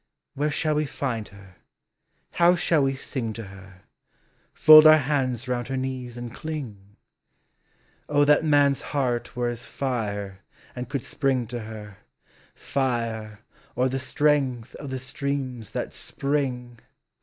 Where shall we Bud her. how shall we sing to her, Fold our hands round her knees and cling. O that man's heart were as Qre and could sprln to her. Fire, or the strength of the streams that spring.